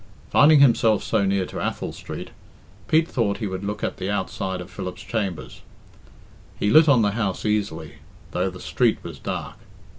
Finding himself so near to Athol Street, Pete thought he would look at the outside of Philip's chambers. He lit on the house easily, though the street was dark.